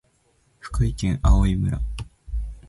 福井県おおい町